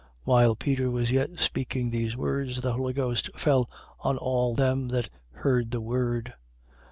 10:44. While Peter was yet speaking these words, the Holy Ghost fell on all them that heard the word.